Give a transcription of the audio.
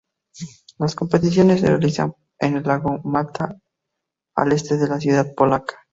Las competiciones se realizaron en el lago Malta, al este de la ciudad polaca.